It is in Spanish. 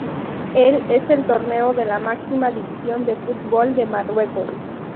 Es el torneo de la máxima división del Fútbol de Marruecos.